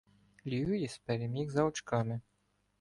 Льюїс переміг за очками.